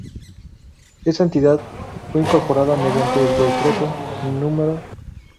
Esa entidad fue incorporada mediante el decreto No.